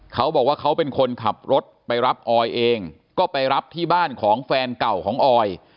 เขาบอกว่าเขาเป็นคนขับรถไปรับออยเองก็ไปรับที่บ้านของแฟนเก่าของออย